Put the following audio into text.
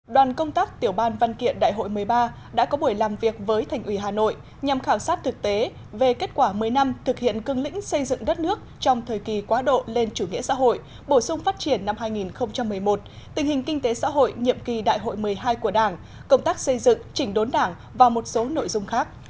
đoàn công tác tiểu ban văn kiện đại hội một mươi ba đã có buổi làm việc với thành ủy hà nội nhằm khảo sát thực tế về kết quả một mươi năm thực hiện cương lĩnh xây dựng đất nước trong thời kỳ quá độ lên chủ nghĩa xã hội bổ sung phát triển năm hai nghìn một mươi một tình hình kinh tế xã hội nhiệm kỳ đại hội một mươi hai của đảng công tác xây dựng chỉnh đốn đảng và một số nội dung khác